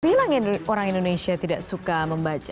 bilang orang indonesia tidak suka membaca